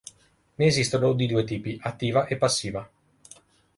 Ne esistono di due tipi, attiva e passiva.